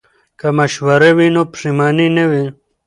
که مشوره وي نو پښیمانی نه وي.